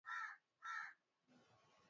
nchini Uturuki hadi wakaazi wa makazi duni